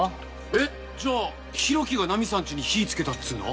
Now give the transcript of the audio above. えっじゃあ浩喜がナミさんちに火つけたっつうの？